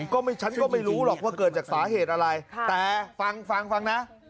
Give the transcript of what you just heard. ฉันก็ไม่รู้หรอกว่าเกิดจากสาเหตุอะไรแต่ฟังฟังฟังนะ